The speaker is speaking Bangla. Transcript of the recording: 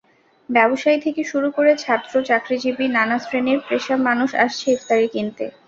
ব্যবসায়ী থেকে শুরু করে ছাত্র, চাকরিজীবী—নানা শ্রেণি-পেশার মানুষ আসছে ইফতারি কিনতে।